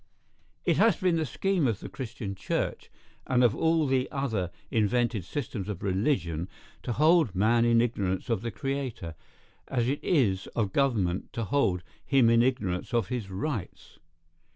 ] It has been the scheme of the Christian church, and of all the other invented systems of religion, to hold man in ignorance of the Creator, as it is of government to hold him in ignorance of his rights.